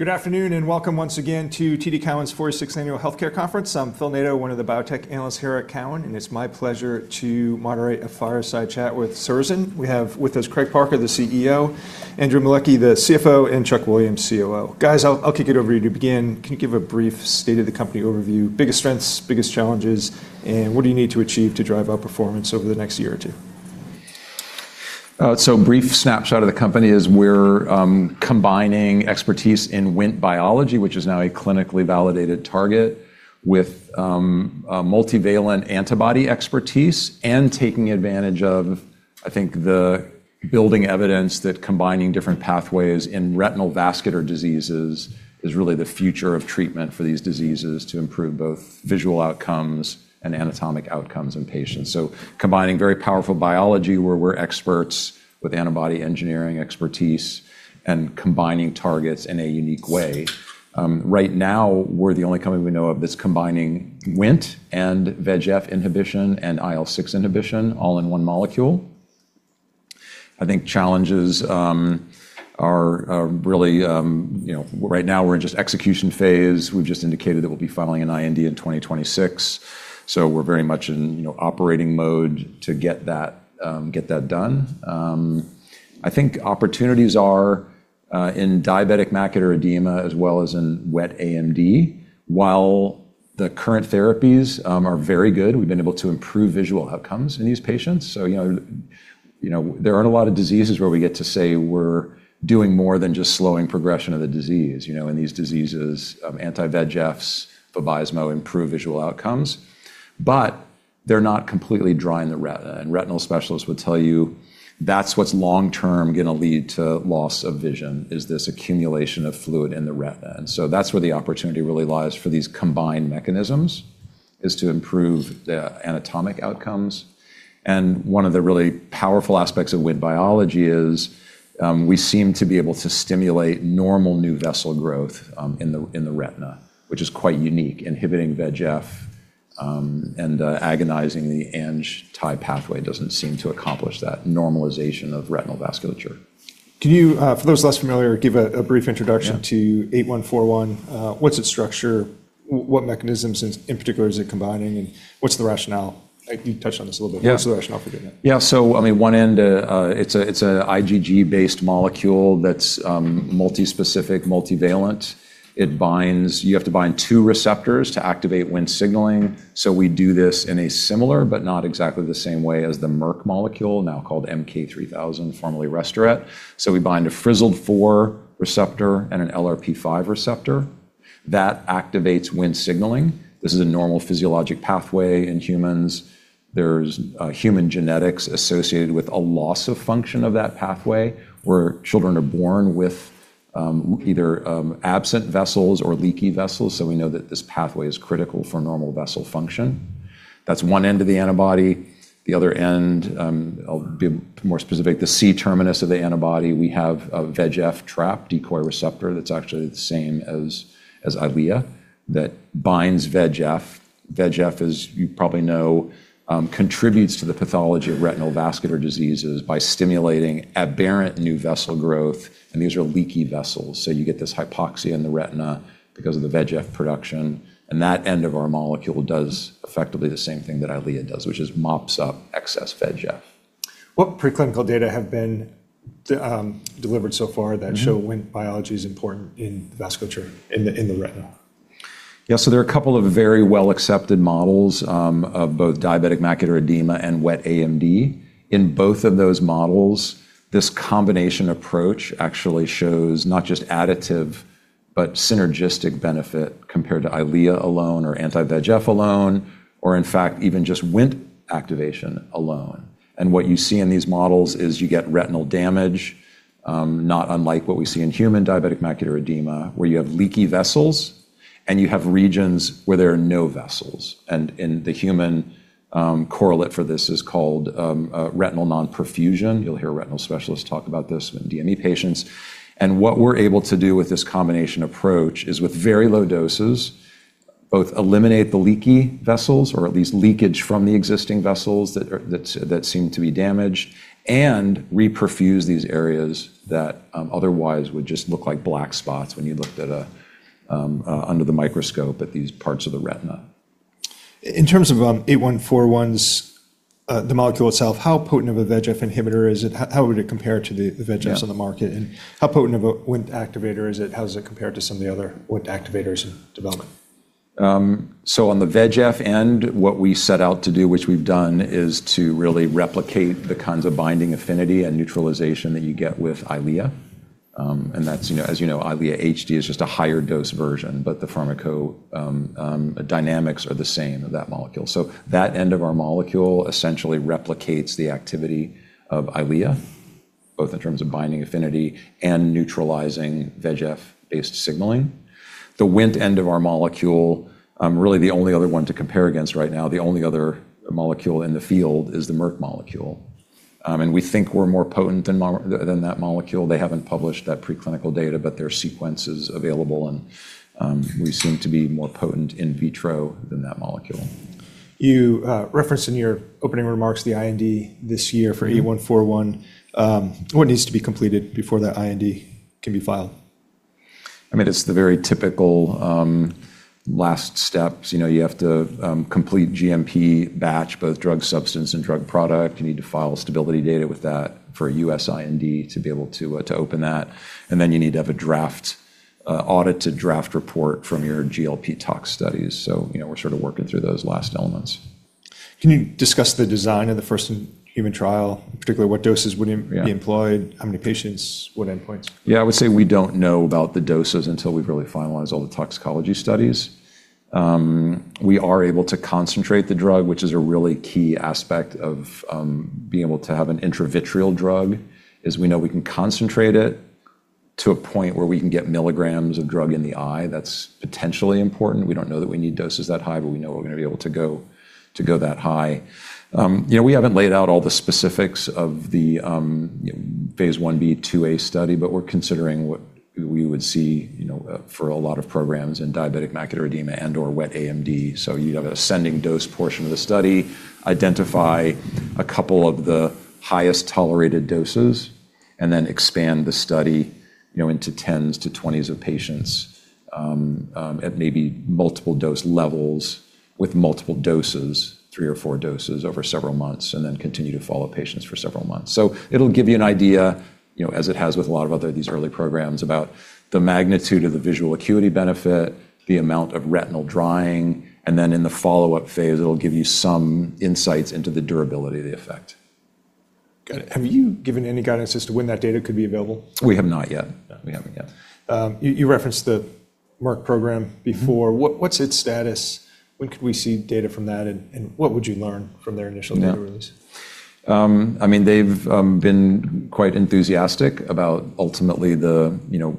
Good afternoon, welcome once again to TD Cowen's 46th Annual Healthcare Conference. I'm Philip Nadeau, one of the biotech analysts here at Cowen, it's my pleasure to moderate a fireside chat with Surrozen. We have with us Craig Parker, the CEO, Andrew Maleki, the CFO, and Chuck Williams, COO. Guys, I'll kick it over to you to begin. Can you give a brief state of the company overview, biggest strengths, biggest challenges, what do you need to achieve to drive outperformance over the next year or two? Brief snapshot of the company is we're combining expertise in Wnt biology, which is now a clinically validated target, with a multivalent antibody expertise and taking advantage of, I think, the building evidence that combining different pathways in retinal vascular diseases is really the future of treatment for these diseases to improve both visual outcomes and anatomic outcomes in patients. Combining very powerful biology, where we're experts, with antibody engineering expertise and combining targets in a unique way. Right now, we're the only company we know of that's combining Wnt and VEGF inhibition and IL-6 inhibition all in one molecule. I think challenges are really, you know, right now we're in just execution phase. We've just indicated that we'll be filing an IND in 2026, we're very much in, you know, operating mode to get that, get that done. I think opportunities are in diabetic macular edema as well as in wet AMD. While the current therapies are very good, we've been able to improve visual outcomes in these patients. You know, there aren't a lot of diseases where we get to say we're doing more than just slowing progression of the disease. You know, in these diseases of anti-VEGFs, bevacizumab improve visual outcomes, but they're not completely dry in the retina. Retinal specialists will tell you that's what's long-term gonna lead to loss of vision, is this accumulation of fluid in the retina. That's where the opportunity really lies for these combined mechanisms, is to improve the anatomic outcomes. One of the really powerful aspects of Wnt biology is, we seem to be able to stimulate normal new vessel growth, in the, in the retina, which is quite unique. Inhibiting VEGF, and agonizing the Ang-Tie pathway doesn't seem to accomplish that normalization of retinal vasculature. Can you, for those less familiar, give a brief introduction. Yeah. -to SZN-8141? What's its structure? What mechanisms in particular is it combining? What's the rationale? I think you touched on this a little bit. Yeah. What's the rationale for doing that? I mean, one end, it's a IgG-based molecule that's multispecific, multivalent. You have to bind 2 receptors to activate Wnt signaling. We do this in a similar but not exactly the same way as the Merck molecule, now called MK-3000, formerly Restoret. We bind a Fzd4 receptor and an LRP5 receptor. That activates Wnt signaling. This is a normal physiologic pathway in humans. There's human genetics associated with a loss of function of that pathway, where children are born with either absent vessels or leaky vessels. We know that this pathway is critical for normal vessel function. That's one end of the antibody. The other end, I'll be more specific, the C terminus of the antibody, we have a VEGF trap decoy receptor that's actually the same as EYLEA that binds VEGF. VEGF, as you probably know, contributes to the pathology of retinal vascular diseases by stimulating aberrant new vessel growth, and these are leaky vessels. You get this hypoxia in the retina because of the VEGF production, and that end of our molecule does effectively the same thing that Eylea does, which is mops up excess VEGF. What preclinical data have been delivered so far that show Wnt biology is important in the vasculature in the retina? There are a couple of very well-accepted models of both diabetic macular edema and wet AMD. In both of those models, this combination approach actually shows not just additive, but synergistic benefit compared to EYLEA alone or anti-VEGF alone, or in fact, even just Wnt activation alone. What you see in these models is you get retinal damage, not unlike what we see in human diabetic macular edema, where you have leaky vessels, and you have regions where there are no vessels. The human correlate for this is called retinal non-perfusion. You'll hear retinal specialists talk about this in DME patients. What we're able to do with this combination approach is with very low doses, both eliminate the leaky vessels or at least leakage from the existing vessels that are, that seem to be damaged and reperfuse these areas that otherwise would just look like black spots when you looked at a under the microscope at these parts of the retina. In terms of SZN-413's, the molecule itself, how potent of a VEGF inhibitor is it? How would it compare to the VEGFs- Yeah. -on the market? How potent of a Wnt activator is it? How does it compare to some of the other Wnt activators in development? On the VEGF end, what we set out to do, which we've done, is to really replicate the kinds of binding affinity and neutralization that you get with Eylea. That's, you know, Eylea HD is just a higher dose version, but the pharmaco dynamics are the same of that molecule. That end of our molecule essentially replicates the activity of Eylea, both in terms of binding affinity and neutralizing VEGF-based signaling. The Wnt end of our molecule, really the only other one to compare against right now, the only other molecule in the field is the Merck molecule. We think we're more potent than that molecule. They haven't published that preclinical data, their sequence is available, we seem to be more potent in vitro than that molecule. You referenced in your opening remarks the IND this year for E141. What needs to be completed before that IND can be filed? I mean, it's the very typical, last steps. You know, you have to complete GMP batch, both drug substance and drug product. You need to file stability data with that for a US IND to be able to open that. Then you need to have a draft audit to draft report from your GLP tox studies. You know, we're sort of working through those last elements. Can you discuss the design of the first human trial, particularly what doses would? Yeah be employed, how many patients, what endpoints? Yeah, I would say we don't know about the doses until we've really finalized all the toxicology studies. We are able to concentrate the drug, which is a really key aspect of being able to have an intravitreal drug, is we know we can concentrate it to a point where we can get milligrams of drug in the eye. That's potentially important. We don't know that we need doses that high, but we know we're gonna be able to go that high. You know, we haven't laid out all the specifics of the phase 1b/2a study, but we're considering what we would see, you know, for a lot of programs in diabetic macular edema and/or wet AMD. You'd have an ascending dose portion of the study, identify a couple of the highest tolerated doses, and then expand the study, you know, into tens to twenties of patients, at maybe multiple dose levels with multiple doses, three or four doses over several months, and then continue to follow patients for several months. It'll give you an idea, you know, as it has with a lot of other these early programs about the magnitude of the visual acuity benefit, the amount of retinal drying, and then in the follow-up phase, it'll give you some insights into the durability of the effect. Got it. Have you given any guidance as to when that data could be available? We have not yet. No. We haven't yet. You referenced the Merck program before. Mm-hmm. What's its status? When could we see data from that, and what would you learn from their initial data release? Yeah. I mean they've been quite enthusiastic about ultimately the, you know,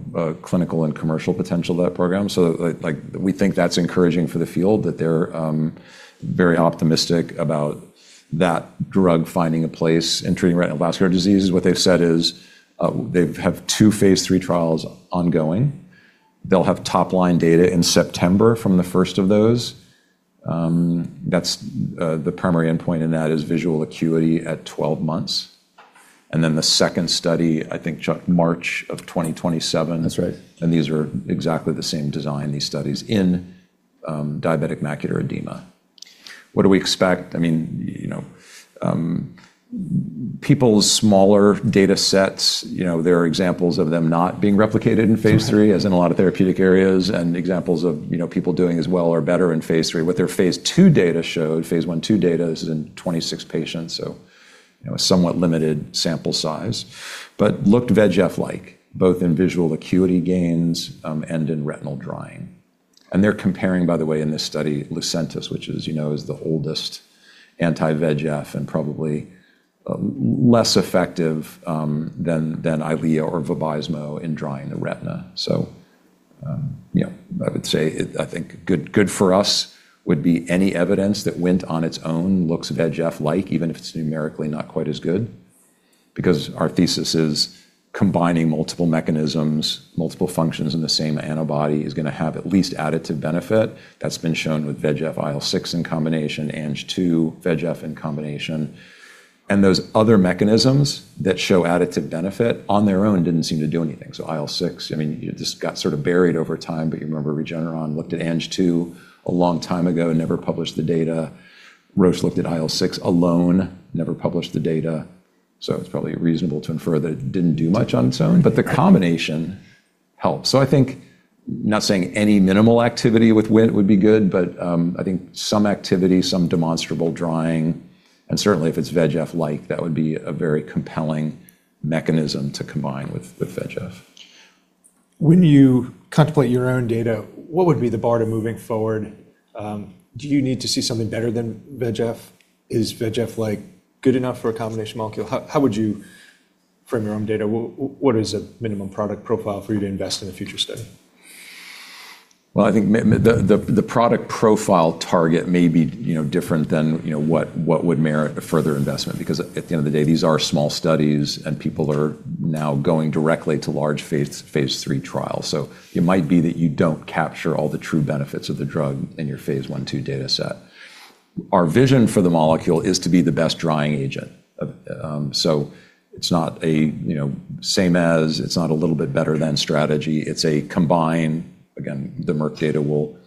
clinical and commercial potential of that program. Like we think that's encouraging for the field that they're very optimistic about that drug finding a place in treating retinal vascular diseases. What they've said is, they've have 2 phase 3 trials ongoing. They'll have top line data in September from the first of those. That's the primary endpoint in that is visual acuity at 12 months. The second study, I think March of 2027. That's right. These are exactly the same design, these studies in diabetic macular edema. What do we expect? I mean, you know, people's smaller data sets, you know, there are examples of them not being replicated in phase 3. Right... as in a lot of therapeutic areas, and examples of, you know, people doing as well or better in phase 3. What their phase 2 data showed, phase 1, 2 data, this is in 26 patients, so, you know, a somewhat limited sample size, but looked VEGF like, both in visual acuity gains, and in retinal drying. They're comparing, by the way, in this study, Lucentis, which is, you know, is the oldest anti-VEGF and probably less effective than Eylea or Vabysmo in drying the retina. You know, I would say I think good for us would be any evidence that Wnt on its own looks VEGF-like, even if it's numerically not quite as good. Because our thesis is combining multiple mechanisms, multiple functions in the same antibody is gonna have at least additive benefit. That's been shown with VEGF IL-6 in combination, Ang-2, VEGF in combination. Those other mechanisms that show additive benefit on their own didn't seem to do anything. IL-6, I mean, it just got sort of buried over time, but you remember Regeneron looked at Ang-2 a long time ago and never published the data. Roche looked at IL-6 alone, never published the data, it's probably reasonable to infer that it didn't do much on its own. The combination helps. I think not saying any minimal activity with Wnt would be good, but I think some activity, some demonstrable drying, and certainly if it's VEGF-like, that would be a very compelling mechanism to combine with VEGF. When you contemplate your own data, what would be the bar to moving forward? Do you need to see something better than VEGF? Is VEGF like good enough for a combination molecule? How would you frame your own data? What is a minimum product profile for you to invest in a future study? I think the product profile target may be, you know, different than, you know, what would merit a further investment. At the end of the day, these are small studies, and people are now going directly to large phase 3 trials. It might be that you don't capture all the true benefits of the drug in your phase 1, 2 data set. Our vision for the molecule is to be the best drying agent. It's not a, you know, same as, it's not a little bit better than strategy. It's a combine. Again, the Merck data will,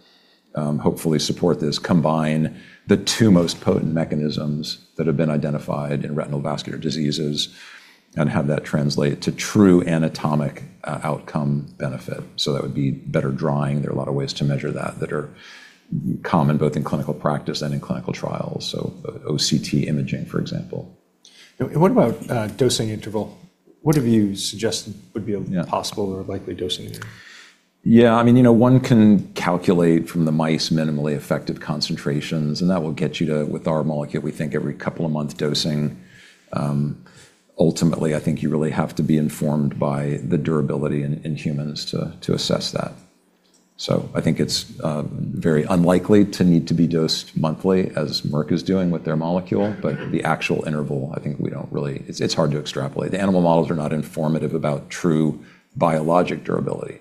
hopefully support this. Combine the two most potent mechanisms that have been identified in retinal vascular diseases and have that translate to true anatomic outcome benefit. That would be better drying. There are a lot of ways to measure that are common both in clinical practice and in clinical trials. OCT imaging, for example. What about dosing interval? What have you suggested would be a possible or likely dosing interval? Yeah. I mean, you know, one can calculate from the mice minimally effective concentrations, and that will get you to, with our molecule, we think every couple of month dosing. Ultimately, I think you really have to be informed by the durability in humans to assess that. I think it's very unlikely to need to be dosed monthly as Merck is doing with their molecule. The actual interval, I think we don't really. It's hard to extrapolate. The animal models are not informative about true biologic durability.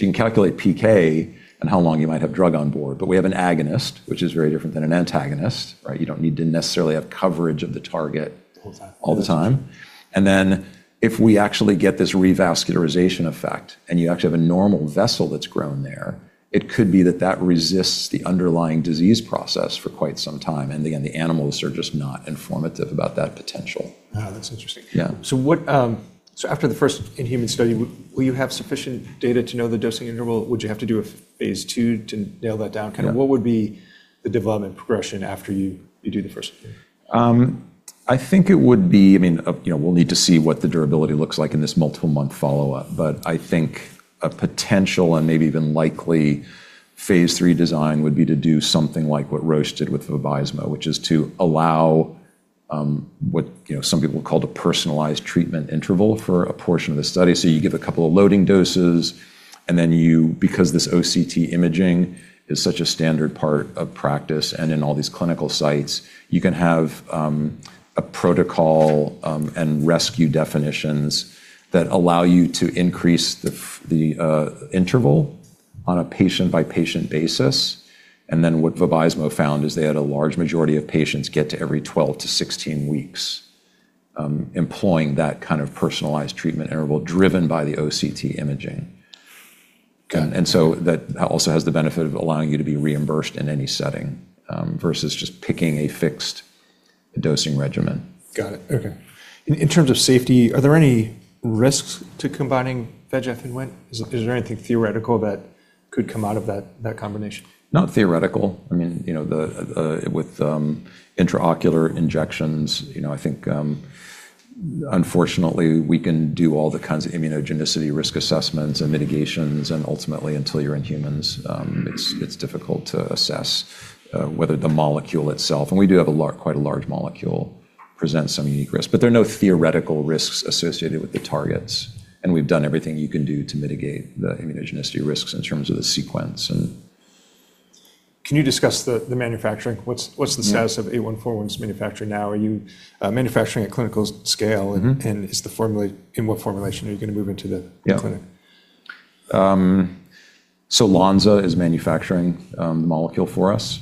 You can calculate PK and how long you might have drug on board, but we have an agonist, which is very different than an antagonist, right? You don't need to necessarily have coverage of the target- All the time. All the time. If we actually get this revascularization effect, and you actually have a normal vessel that's grown there, it could be that that resists the underlying disease process for quite some time, and again, the animals are just not informative about that potential. That's interesting. Yeah. What, so after the first in-human study, will you have sufficient data to know the dosing interval? Would you have to do a phase 2 to nail that down? Yeah. Kinda what would be the development progression after you do the first? I think it would be, I mean, you know, we'll need to see what the durability looks like in this multiple-month follow-up. I think a potential and maybe even likely phase three design would be to do something like what Roche did with Vabysmo, which is to allow what, you know, some people called a personalized treatment interval for a portion of the study. You give a couple of loading doses, and then because this OCT imaging is such a standard part of practice, and in all these clinical sites, you can have a protocol and rescue definitions that allow you to increase the interval on a patient-by-patient basis. What Vabysmo found is they had a large majority of patients get to every 12 to 16 weeks, employing that kind of personalized treatment interval driven by the OCT imaging. Got it. That also has the benefit of allowing you to be reimbursed in any setting, versus just picking a fixed dosing regimen. Got it. Okay. In terms of safety, are there any risks to combining VEGF and Wnt? Is there anything theoretical that could come out of that combination? Not theoretical. I mean, you know, the, with intraocular injections, you know, I think, unfortunately, we can do all the kinds of immunogenicity risk assessments and mitigations, and ultimately until you're in humans, it's difficult to assess whether the molecule itself, and we do have quite a large molecule, presents some unique risks. There are no theoretical risks associated with the targets, and we've done everything you can do to mitigate the immunogenicity risks in terms of the sequence and... Can you discuss the manufacturing? What's the status of SZN-413's manufacturing now? Are you manufacturing at clinical scale? Mm-hmm. In what formulation are you gonna move into the clinic? Lonza is manufacturing the molecule for us.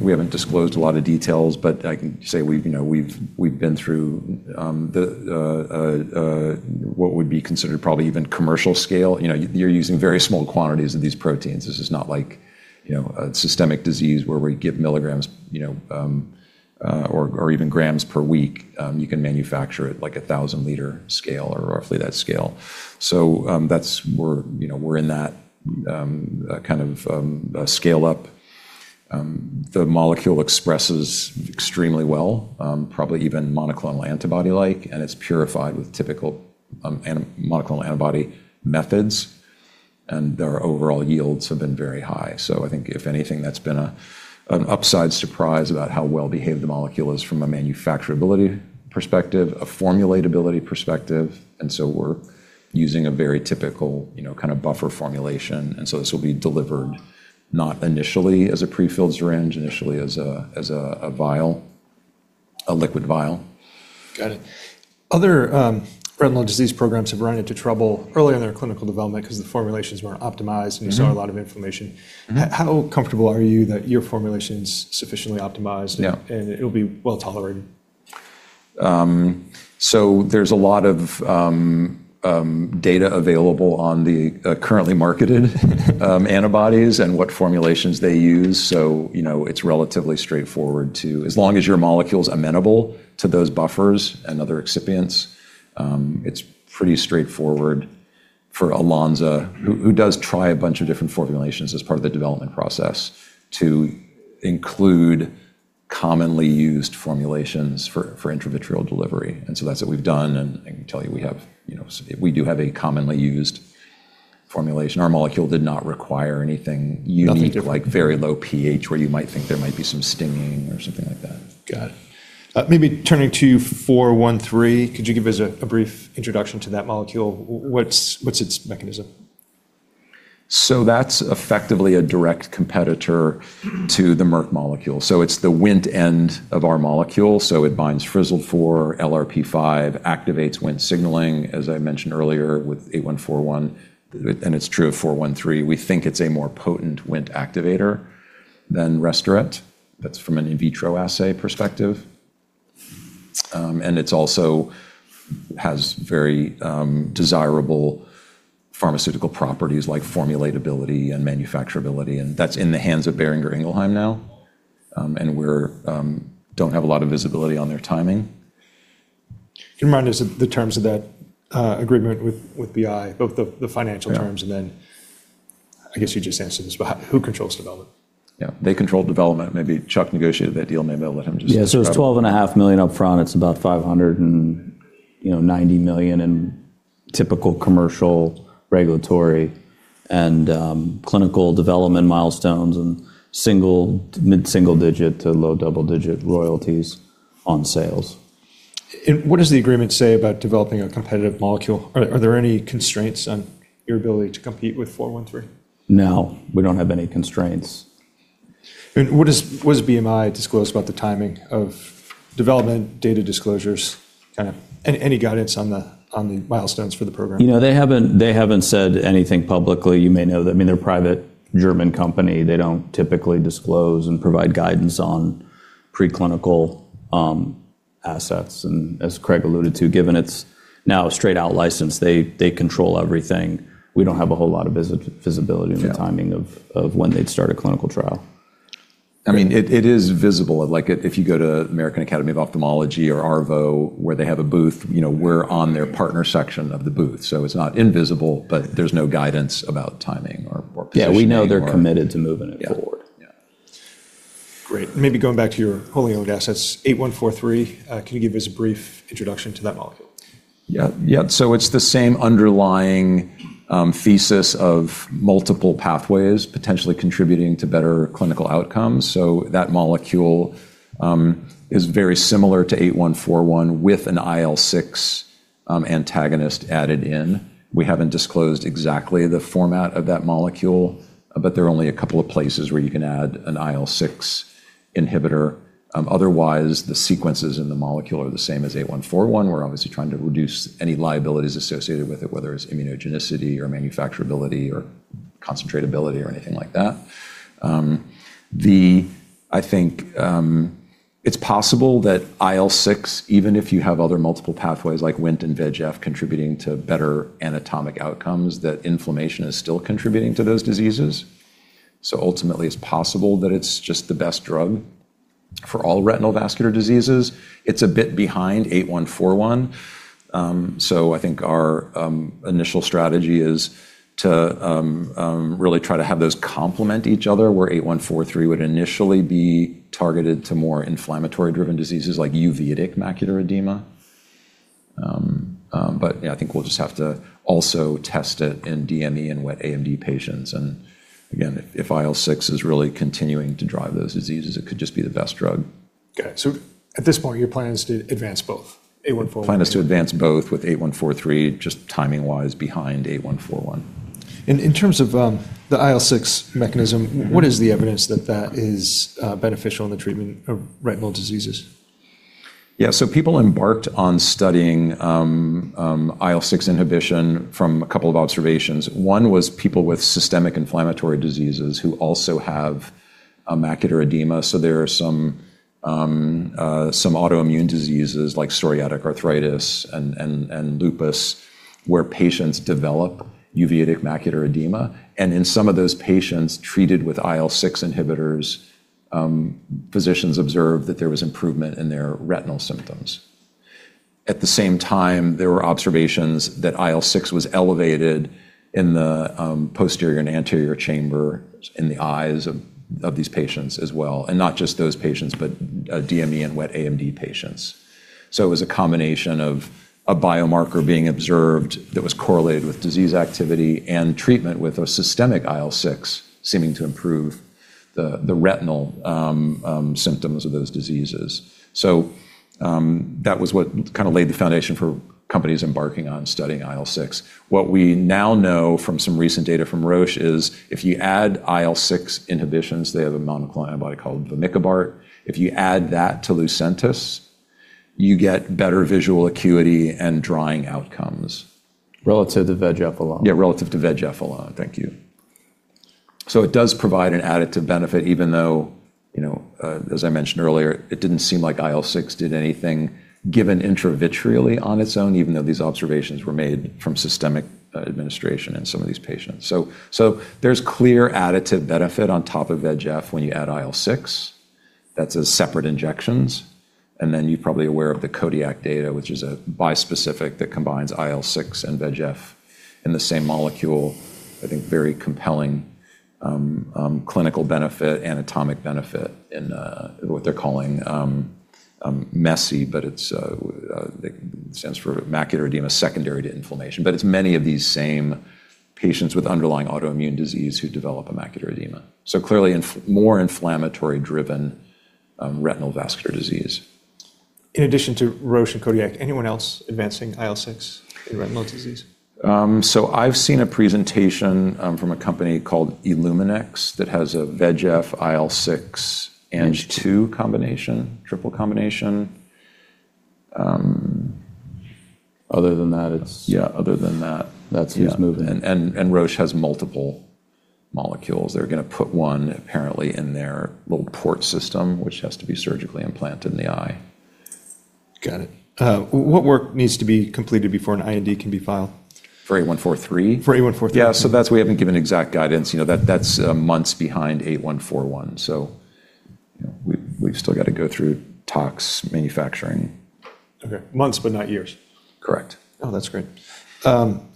We haven't disclosed a lot of details, but I can say we've, you know, we've been through what would be considered probably even commercial scale. You know, you're using very small quantities of these proteins. This is not like, you know, a systemic disease where we give milligrams, you know, or even grams per week. You can manufacture it like a 1,000 liter scale or roughly that scale. We're, you know, we're in that kind of scale up. The molecule expresses extremely well, probably even monoclonal antibody-like, and it's purified with typical monoclonal antibody methods, and our overall yields have been very high. I think if anything, that's been an upside surprise about how well-behaved the molecule is from a manufacturability perspective, a formulatability perspective. We're using a very typical, you know, kind of buffer formulation. This will be delivered not initially as a prefilled syringe, initially as a vial, a liquid vial. Got it. Other, retinal disease programs have run into trouble early in their clinical development 'cause the formulations weren't optimized- Mm-hmm. You saw a lot of inflammation. Mm-hmm. How comfortable are you that your formulation's sufficiently optimized? Yeah. It'll be well-tolerated? There's a lot of data available on the currently marketed antibodies and what formulations they use. You know, it's relatively straightforward. As long as your molecule's amenable to those buffers and other excipients, it's pretty straightforward for Lonza, who does try a bunch of different formulations as part of the development process, to include commonly used formulations for intravitreal delivery. That's what we've done, and I can tell you, we have, you know, we do have a commonly used formulation. Our molecule did not require anything unique. Nothing different. Like very low pH where you might think there might be some stinging or something like that. Got it. Maybe turning to SZN-413, could you give us a brief introduction to that molecule? What's its mechanism? That's effectively a direct competitor to the Merck molecule. It's the Wnt end of our molecule. It binds Fzd4, LRP5, activates Wnt signaling, as I mentioned earlier, with SZN-8141 and it's true of SZN-413. We think it's a more potent Wnt activator than Restoret. That's from an in vitro assay perspective. And it's also has very desirable pharmaceutical properties like formulatability and manufacturability, and that's in the hands of Boehringer Ingelheim now. And we're don't have a lot of visibility on their timing. Can you remind us of the terms of that agreement with Boehringer Ingelheim, both the financial terms. Yeah. I guess you just answered this, but who controls development? Yeah. They control development. Maybe Chuck negotiated that deal. Maybe I'll let him just- Yeah. It's $12 and a half million upfront. It's about $590 million in typical commercial, regulatory, and clinical development milestones and single, mid-single digit to low double-digit royalties on sales. What does the agreement say about developing a competitive molecule? Are there any constraints on your ability to compete with SZN-413? No. We don't have any constraints. What does Boehringer Ingelheim disclose about the timing of development, data disclosures, kind of any guidance on the milestones for the program? You know, they haven't said anything publicly. You may know that, I mean, they're a private German company. They don't typically disclose and provide guidance on preclinical assets. As Craig alluded to, given it's now a straight-out license, they control everything. We don't have a whole lot of visibility. Yeah... in the timing of when they'd start a clinical trial. I mean, it is visible. Like, if you go to American Academy of Ophthalmology or ARVO where they have a booth, you know, we're on their partner section of the booth. It's not invisible, but there's no guidance about timing or positioning or... Yeah, we know they're committed to moving it forward. Yeah. Yeah. Great. Maybe going back to your wholly-owned assets, SZN-8143, can you give us a brief introduction to that molecule? Yeah. Yeah. It's the same underlying thesis of multiple pathways potentially contributing to better clinical outcomes. That molecule is very similar to SZN-8141 with an IL-6 antagonist added in. We haven't disclosed exactly the format of that molecule, but there are only a couple of places where you can add an IL-6 inhibitor. Otherwise, the sequences in the molecule are the same as SZN-8141. We're obviously trying to reduce any liabilities associated with it, whether it's immunogenicity or manufacturability or concentrate ability or anything like that. I think it's possible that IL-6, even if you have other multiple pathways like Wnt and VEGF contributing to better anatomic outcomes, that inflammation is still contributing to those diseases. Ultimately, it's possible that it's just the best drug for all retinal vascular diseases. It's a bit behind SZN-8141. I think our initial strategy is to really try to have those complement each other, where SZN-8143 would initially be targeted to more inflammatory driven diseases like uveitic macular edema. Yeah, I think we'll just have to also test it in DME and wet AMD patients. Again, if IL-6 is really continuing to drive those diseases, it could just be the best drug. Okay. At this point, your plan is to advance both, 814- Plan is to advance both with SZN-8143, just timing-wise behind SZN-8141. In terms of the IL-6 mechanism. Mm-hmm... what is the evidence that that is beneficial in the treatment of retinal diseases? Yeah. People embarked on studying IL-6 inhibition from a couple of observations. One was people with systemic inflammatory diseases who also have a macular edema. There are some autoimmune diseases like psoriatic arthritis and lupus, where patients develop uveitic macular edema. In some of those patients treated with IL-6 inhibitors, physicians observed that there was improvement in their retinal symptoms. At the same time, there were observations that IL-6 was elevated in the posterior and anterior chamber in the eyes of these patients as well. Not just those patients, but DME and wet AMD patients. It was a combination of a biomarker being observed that was correlated with disease activity and treatment with a systemic IL-6 seeming to improve the retinal symptoms of those diseases. That was what kind of laid the foundation for companies embarking on studying IL-6. What we now know from some recent data from Roche is if you add IL-6 inhibitions, they have a monoclonal antibody called faricimab. If you add that to Lucentis, you get better visual acuity and drying outcomes. Relative to VEGF alone. Yeah, relative to VEGF alone. Thank you. It does provide an additive benefit even though, you know, as I mentioned earlier, it didn't seem like IL-6 did anything given intravitreally on its own, even though these observations were made from systemic administration in some of these patients. There's clear additive benefit on top of VEGF when you add IL-6. That's as separate injections. You're probably aware of the Kodiak Sciences data, which is a bispecific that combines IL-6 and VEGF in the same molecule. I think very compelling clinical benefit, anatomic benefit in what they're calling MESI, but it stands for macular edema secondary to inflammation. It's many of these same patients with underlying autoimmune disease who develop a macular edema. Clearly more inflammatory driven retinal vascular disease. In addition to Roche and Kodiak Sciences, anyone else advancing IL-6 in retinal disease? I've seen a presentation from a company called Ocular Therapeutix that has a VEGF IL-6 Ang2 combination, triple combination. Other than that, it's. Yeah, other than that. That's who's moving. Yeah. Roche has multiple molecules. They're gonna put one apparently in their little port system, which has to be surgically implanted in the eye. Got it. What work needs to be completed before an IND can be filed? For eight one four three? For eight one four three. Yeah. That's why we haven't given exact guidance. You know, that's months behind SZN-8141. You know, we've still got to go through tox manufacturing. Okay. Months, but not years. Correct. Oh, that's great. The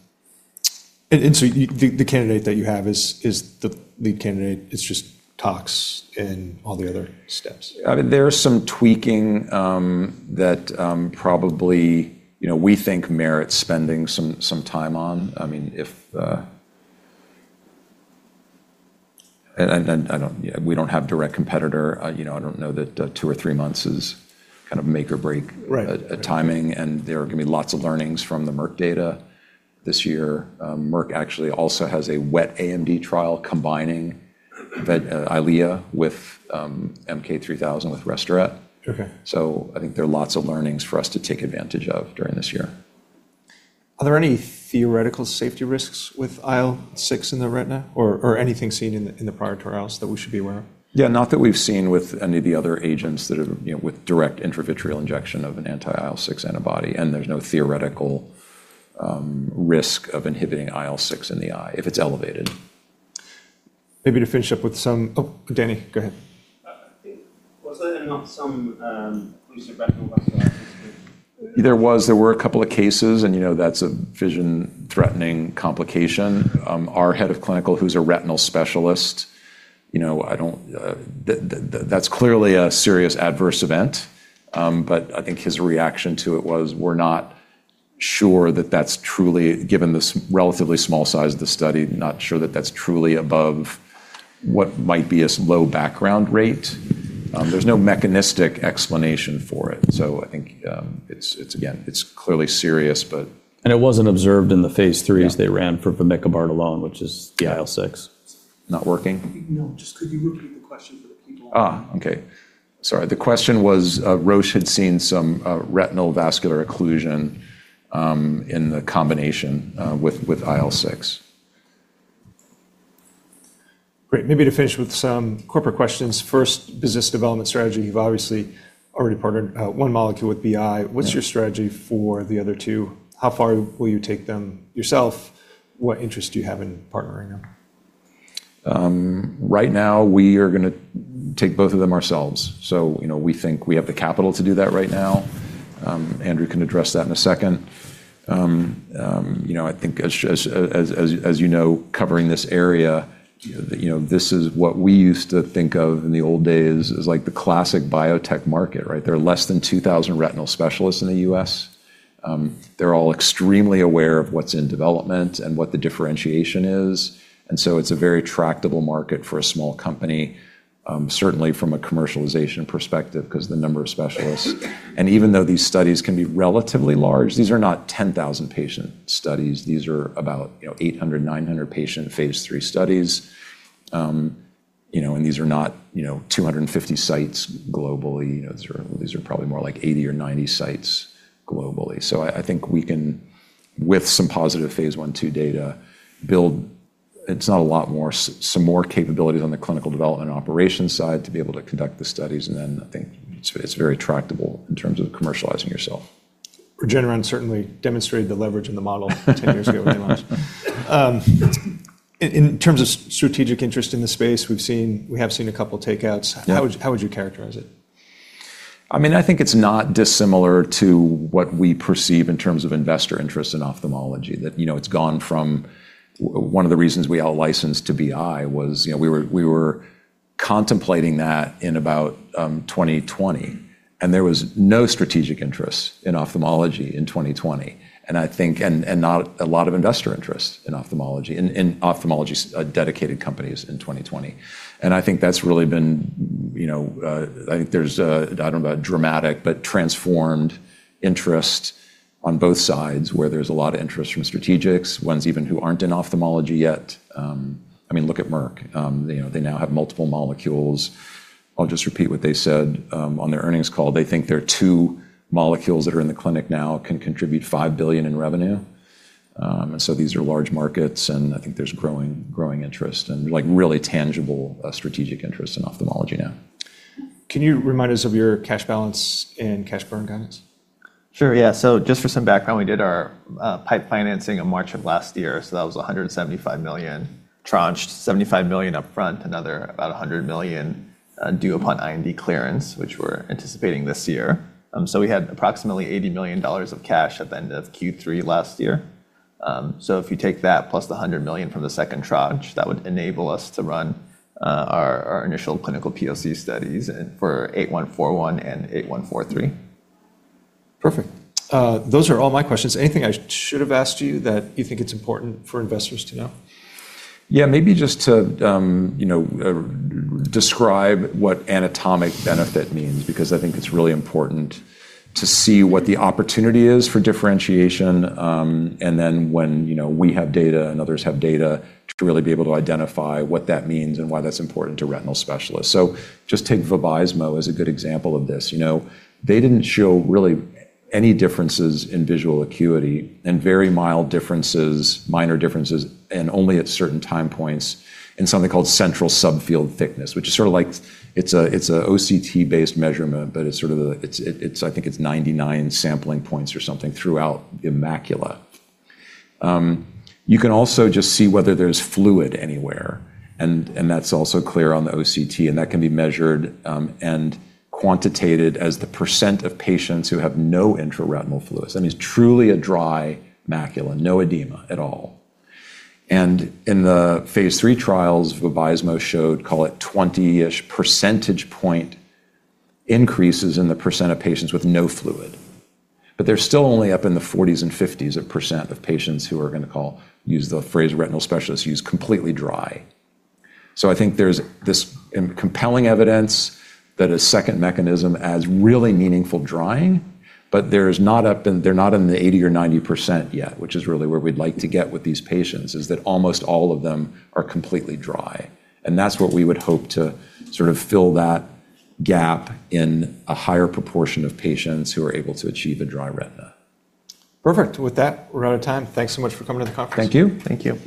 candidate that you have is the lead candidate. It's just tox and all the other steps. I mean, there is some tweaking, that, probably, you know, we think merits spending some time on. I mean, if... We don't have direct competitor. You know, I don't know that two or three months is kind of make or break... Right... timing, and there are gonna be lots of learnings from the Merck data. This year, Merck actually also has a wet AMD trial combining the Eylea with, MK-3000 with Restoret. Okay. I think there are lots of learnings for us to take advantage of during this year. Are there any theoretical safety risks with IL-6 in the retina or anything seen in the prior trials that we should be aware of? Not that we've seen with any of the other agents that have, you know, with direct intravitreal injection of an anti-IL-6 antibody. There's no theoretical risk of inhibiting IL-6 in the eye if it's elevated. Maybe to finish up with some... Oh, Philip, go ahead. I think was there not some, recent retinal vascular occlusion? There were a couple of cases, you know, that's a vision-threatening complication. Our Head of Clinical, who's a retinal specialist, you know, that's clearly a serious adverse event. I think his reaction to it was we're not sure that that's truly, given this relatively small size of the study, not sure that that's truly above what might be a low background rate. There's no mechanistic explanation for it. I think it's, again, it's clearly serious. It wasn't observed in the phase 3. Yeah... as they ran for faricimab alone. Yeah... the IL-6. Not working? No. Just could you repeat the question for the people- Okay. Sorry. The question was, Roche had seen some retinal vascular occlusion in the combination with IL-6. Great. Maybe to finish with some corporate questions. First, business development strategy. You've obviously already partnered, one molecule with Boehringer Ingelheim. Right. What's your strategy for the other two? How far will you take them yourself? What interest do you have in partnering them? Right now we are gonna take both of them ourselves. You know, we think we have the capital to do that right now. Andrew can address that in a second. You know, I think as you know, covering this area, you know, this is what we used to think of in the old days as like the classic biotech market, right? There are less than 2,000 retinal specialists in the U.S. They're all extremely aware of what's in development and what the differentiation is, and so it's a very tractable market for a small company, certainly from a commercialization perspective, 'cause the number of specialists. Even though these studies can be relatively large, these are not 10,000 patient studies. These are about, you know, 800, 900 patient phase 3 studies. You know, these are not, you know, 250 sites globally. You know, these are probably more like 80 or 90 sites globally. I think we can, with some positive phase 1, 2 data, build, it's not a lot more, some more capabilities on the clinical development operations side to be able to conduct the studies, then I think it's very tractable in terms of commercializing yourself. Regeneron certainly demonstrated the leverage in the model 10 years ago when it launched. In terms of strategic interest in the space, we have seen a couple takeouts. Yeah. How would you characterize it? I mean, I think it's not dissimilar to what we perceive in terms of investor interest in ophthalmology, that, you know, it's gone from one of the reasons we out-licensed to Boehringer Ingelheim was, you know, we were contemplating that in about 2020, there was no strategic interest in ophthalmology in 2020, and I think and not a lot of investor interest in ophthalmology, in ophthalmology dedicated companies in 2020. I think that's really been, you know, I think there's a, I don't know about dramatic, but transformed interest on both sides where there's a lot of interest from strategics, ones even who aren't in ophthalmology yet. I mean, look at Merck. You know, they now have multiple molecules. I'll just repeat what they said on their earnings call. They think their two molecules that are in the clinic now can contribute $5 billion in revenue. These are large markets, and I think there's growing interest and, like, really tangible strategic interest in ophthalmology now. Can you remind us of your cash balance and cash burn guidance? Sure, yeah. Just for some background, we did our PIPE financing in March of last year. That was $175 million tranched, $75 million up front, another about $100 million due upon IND clearance, which we're anticipating this year. We had approximately $80 million of cash at the end of Q3 last year. If you take that plus the $100 million from the second tranche, that would enable us to run our initial clinical POC studies for SZN-8141 and SZN-8143. Perfect. Those are all my questions. Anything I should have asked you that you think it's important for investors to know? Yeah. Maybe just to, you know, describe what anatomic benefit means, because I think it's really important to see what the opportunity is for differentiation, and then when, you know, we have data and others have data, to really be able to identify what that means and why that's important to retinal specialists. Just take Vabysmo as a good example of this. You know, they didn't show really any differences in visual acuity and very mild differences, minor differences, and only at certain time points in something called central subfield thickness, which is sort of like it's a OCT-based measurement, but it's sort of a. I think it's 99 sampling points or something throughout the macula. You can also just see whether there's fluid anywhere, and that's also clear on the OCT, and that can be measured, and quantitated as the % of patients who have no intraretinal fluid. That means truly a dry macula, no edema at all. In the phase 3 trials, Vabysmo showed, call it, 20-ish percentage point increases in the % of patients with no fluid. They're still only up in the 40s and 50s of % of patients who are gonna call, use the phrase retinal specialists use, completely dry. I think there's this compelling evidence that a second mechanism as really meaningful drying, but there's not they're not in the 80% or 90% yet, which is really where we'd like to get with these patients, is that almost all of them are completely dry, and that's what we would hope to sort of fill that gap in a higher proportion of patients who are able to achieve a dry retina. Perfect. With that, we're out of time. Thanks so much for coming to the conference. Thank you. Thank you.